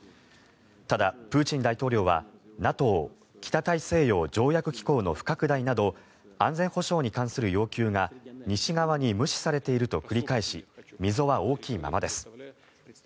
ただ、プーチン大統領はＮＡＴＯ・北大西洋条約機構の不拡大など安全保障に関する要求が西側に無視されていると繰り返し溝は大きいままです。